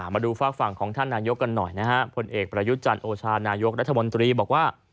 มาดูฝากฝั่งของท่านนายกกันหน่อยนะฮะผลเอกประยุทธ์จันทร์โอชานายกรัฐมนตรีบอกว่า